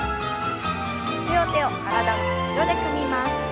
両手を体の後ろで組みます。